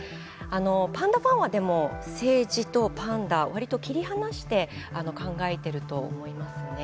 パンダファンは政治とパンダ割と切り離して考えていると思いますね。